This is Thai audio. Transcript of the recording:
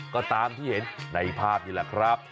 ก็ตามที่เห็นในภาพนี่แหละครับ